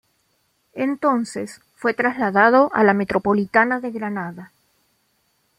Entonces fue trasladado a la metropolitana de Granada.